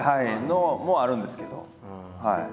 のもあるんですけど。